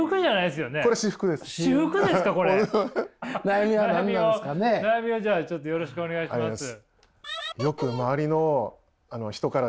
悩みをじゃあちょっとよろしくお願いします。